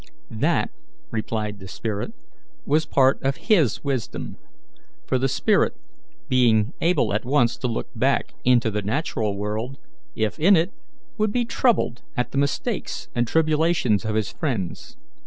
"That," replied the spirit, "was part of His wisdom; for the spirit, being able at once to look back into the natural world, if in it, would be troubled at the mistakes and tribulations of his friends.